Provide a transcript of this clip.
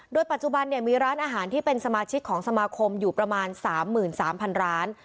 โดยปัจจุบันมีร้านอาหารที่เป็นสมาชิกของสมาคมอยู่ประมาณ๓๓๐๐๐ร้าน